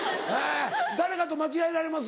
誰かと間違えられます？